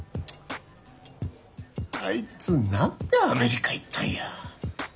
あいつ何でアメリカ行ったんや。